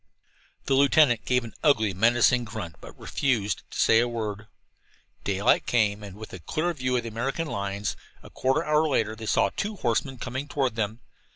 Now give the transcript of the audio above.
The lieutenant gave an ugly, menacing grunt, but refused to say a word. Daylight came, and with it a clear view of the American lines. A quarter of an hour later they saw two horsemen coming toward them.